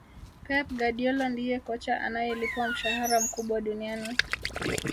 Pep Guardiola ndiye kocha anayelipwa mshahara mkubwa duniani